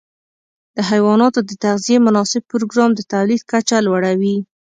د حيواناتو د تغذیې مناسب پروګرام د تولید کچه لوړه وي.